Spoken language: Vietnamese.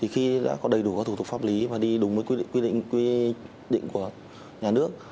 khi đã có đầy đủ các thủ tục pháp lý và đi đúng với quy định của nhà nước